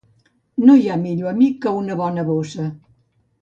No hi ha millor amic que una bona bossa.